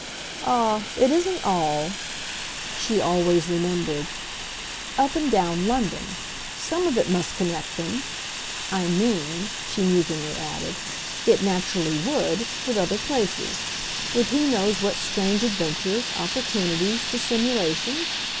Ah, it isn't all," she always remembered, "up and down London. Some of it must connect them I mean," she musingly added, "it naturally WOULD with other places; with who knows what strange adventures, opportunities, dissimulations?